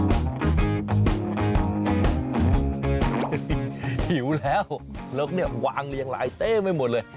จริงหิวแล้วล๊อควางเลี้ยงลายเต้ไว้หมดเลย